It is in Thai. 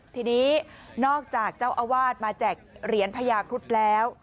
ทีนี้นอกจากเจ้าอาวาสมาแจกเหรียญพญาครุฑแล้ว